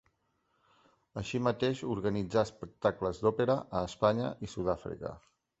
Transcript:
Així mateix organitzà espectacles d'òpera a Espanya i Sud-àfrica.